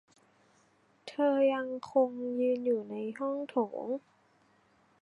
เธอยังคงยืนอยู่ในห้องโถง